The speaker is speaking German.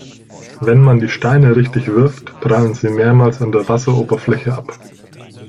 Wenn man die Steine richtig wirft, prallen sie mehrmals an der Wasseroberfläche ab.